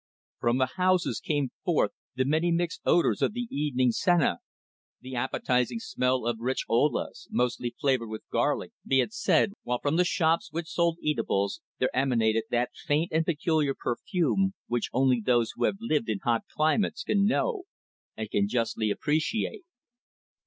From the houses came forth the many mixed odours of the evening cena, the appetising smell of rich ollas, mostly flavoured with garlic, be it said, while from the shops which sold eatables there emanated that faint and peculiar perfume which only those who have lived in hot climates can know, and can justly appreciate.